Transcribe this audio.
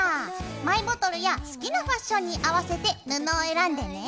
マイボトルや好きなファッションに合わせて布を選んでね。